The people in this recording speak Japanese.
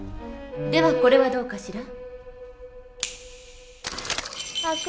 ではこれはどうかしら？